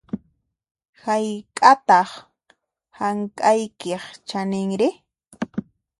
Hayk'ataq hank'aykiq chaninri?